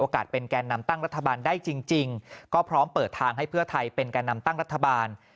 ก็พร้อมเปิดทางให้เพื่อไทยเป็นการนำตั้งรัฐบาล